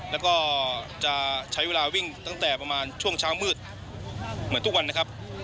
แล้วก็จะใช้เวลาวิ่งตั้งแต่ประมาณช่วงเช้ามืดเหมือนทุกวันนะครับ